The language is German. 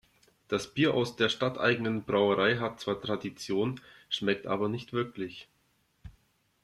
Das Bier aus der stadteigenen Brauerei hat zwar Tradition, schmeckt aber nicht wirklich.